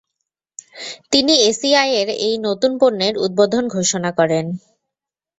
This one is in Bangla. তিনি এসিআইয়ের এই নতুন পণ্যের উদ্বোধন ঘোষণা করেন।